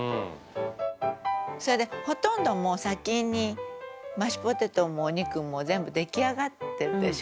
「それでほとんどもう先にマッシュポテトもお肉も全部出来上がってるでしょ？」